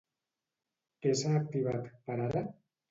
Què s'ha activat, per ara?